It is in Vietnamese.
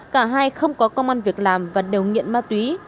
cả hai không có công an việc làm và đều nghiện ma túy